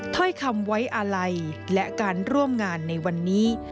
ถ้อยคำไว้อาลัยและการร่วมงานในวันนี้